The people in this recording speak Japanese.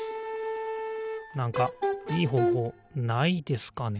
なんかいいほうほうないですかね？